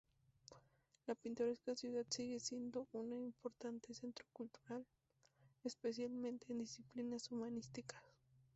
La pintoresca ciudad sigue siendo un importante centro cultural, especialmente en disciplinas humanísticas.